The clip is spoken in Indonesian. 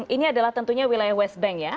ini adalah tentunya wilayah west bank ya